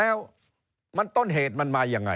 แล้วมันต้นเหตุมันมายังไง